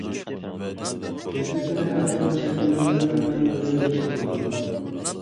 فىزىكىنى ئەڭ بۇرۇن شەكىللەنگەن پەنلەرنىڭ بىرى دېيىشكە بولىدۇ.